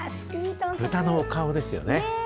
豚のお顔ですよね。